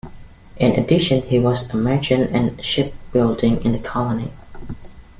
In addition, he was a merchant and shipbuilding in the colony.